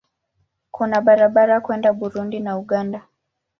Kuna barabara kwenda Burundi na Uganda.